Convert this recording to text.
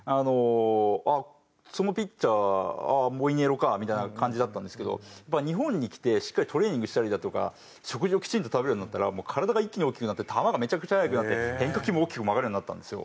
あっそのピッチャーモイネロかみたいな感じだったんですけど日本に来てしっかりトレーニングしたりだとか食事をきちんと食べるようになったら体が一気に大きくなって球がめちゃくちゃ速くなって変化球も大きく曲がるようになったんですよ。